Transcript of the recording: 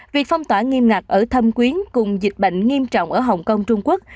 việc phong tỏa nghiêm ngặt ở thâm quyến cùng dịch bệnh nghiêm trọng ở hồng kông trung quốc